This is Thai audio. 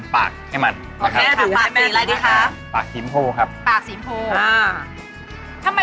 ค่ะสีชมพูครับปากสีชมพูอ่า